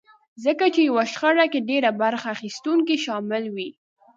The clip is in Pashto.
ځکه چې يوه شخړه کې ډېر برخه اخيستونکي شامل وي.